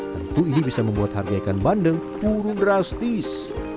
tentu ini bisa membuat harga ikan bandeng turun drastis